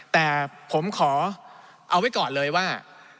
แต่ผมขอเอาไว้ก่อนเลยว่า